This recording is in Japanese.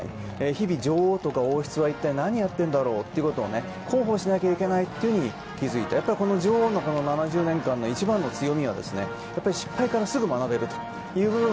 日々、女王とか王室は一体何をやっているんだろうということを広報しなければいけないと気付いて、女王の７０年間の一番の強みが失敗からすぐ学べるという部分。